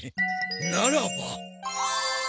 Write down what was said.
ならば！